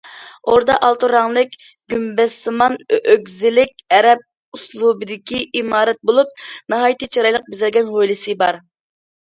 ئوردا ئالتۇن رەڭلىك گۈمبەزسىمان ئۆگزىلىك ئەرەب ئۇسلۇبىدىكى ئىمارەت بولۇپ، ناھايىتى چىرايلىق بېزەلگەن ھويلىسى بار.